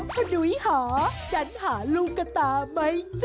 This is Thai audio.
พอยุเฮาะยันหาลูกกะตาไม่เจอ